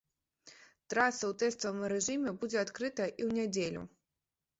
Траса ў тэставым рэжыме будзе адкрытая і ў нядзелю.